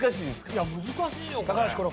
いや難しいよこれ。